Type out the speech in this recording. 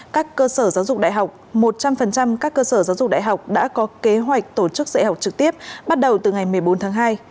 các cơ sở giáo dục đại học một trăm linh các cơ sở giáo dục đại học đã có kế hoạch tổ chức dạy học trực tiếp bắt đầu từ ngày một mươi bốn tháng hai